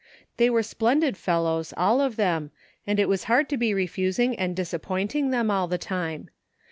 They were splen did fellows, all of them, and it was hard to be refus ing and disappointing them all the time.